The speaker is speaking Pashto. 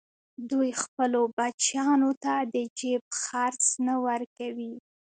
دوی خپلو بچیانو ته د جېب خرڅ نه ورکوي